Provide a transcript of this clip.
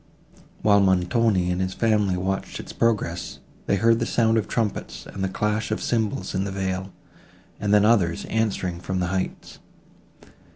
While Montoni and his family watched its progress, they heard the sound of trumpets and the clash of cymbals in the vale, and then others, answering from the heights.